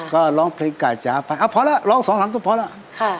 ก็ร้องเพลงไก่จ๋าพอแล้วร้อง๒๓ตัวพอแล้ว